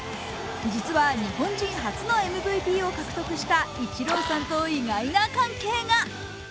実は日本人初のＭＶＰを獲得したイチローさんと意外な関係が。